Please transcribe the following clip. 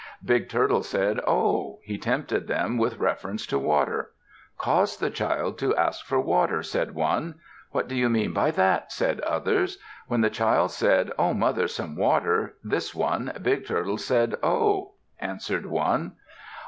Big Turtle said, "Oh!" He tempted them with reference to water. "Cause the child to ask for water," said one. "What do you mean by that?" said others. "When the child said, 'O mother, some water,' this one, Big Turtle, said 'Oh!'" answered one.